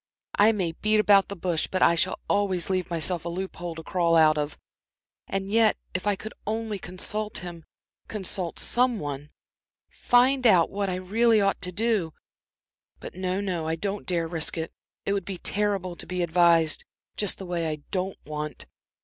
I may beat about the bush, but I shall always leave myself a loop hole to crawl out of. And yet if I could only consult him consult some one find out what I really ought to do. But no, no, I don't dare risk it; it would be terrible to be advised just the way I don't want.